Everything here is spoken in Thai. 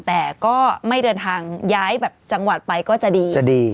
แต่ก็ไม่เดินทางย้ายแบบจังหวัดไปก็จะดีจะดี